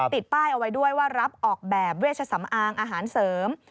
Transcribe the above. ติดป้ายเอาไว้ด้วยว่ารับออกแบบเวชสำอางอาหารเสริม